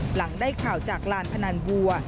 หลังได้ข่าวจากลานพนันวัว